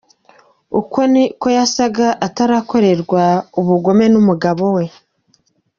Uko niko yasaga atarakorerwa ubugome n’umugabo we.